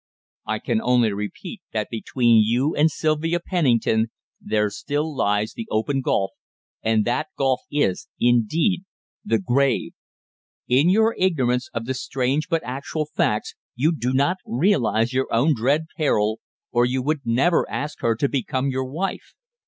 "I can only repeat that between you and Sylvia Pennington there still lies the open gulf and that gulf is, indeed, the grave. In your ignorance of the strange but actual facts you do not realize your own dread peril, or you would never ask her to become your wife.